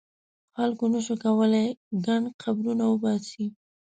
خلکو نه شو کولای ګڼ قبرونه وباسي.